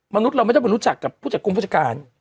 มนุษย์เราไม่ต้องไปรู้จักกับผู้จัดกงผู้จัดการ